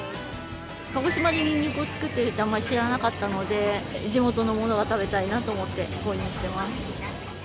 鹿児島でニンニクを作っているってあまり知らなかったので地元のものが食べたいなと思って購入してます。